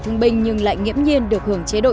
thương binh nhưng lại nghiễm nhiên được hưởng chế độ